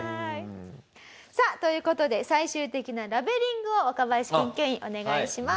さあという事で最終的なラベリングを若林研究員お願いします。